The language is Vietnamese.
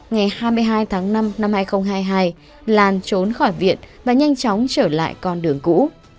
ngày hai mươi hai tháng năm năm hai nghìn hai mươi hai lan trốn khỏi viện và nhanh chóng trở lại con đường cũ